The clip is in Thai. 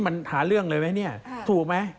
อย่างนี้มันหาเรื่องเลยไหมเนี่ยถูกไหม